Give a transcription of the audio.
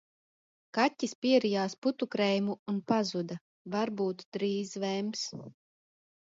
Kaķis pierijās putukrējumu un pazuda, varbūt drīz vems.